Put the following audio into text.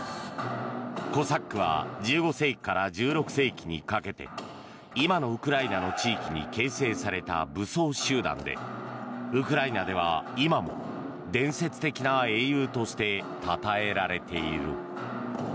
コサックは１５世紀から１６世紀にかけて今のウクライナの地域に形成された武装集団でウクライナでは今も伝説的な英雄としてたたえられている。